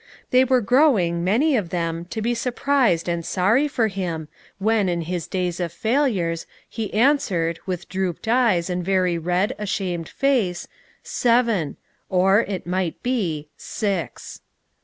They were growing, many of them, to be surprised and sorry for him, when, in his days of failures, he answered, with drooped eyes and very red, ashamed face, "seven," or, it might be, "six."